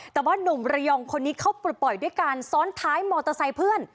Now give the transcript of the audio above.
แต่ว่านุ่มระยองคนนี้เขาปลดปล่อยด้วยการซ้อนท้ายมอเตอร์ไซค์เพื่อน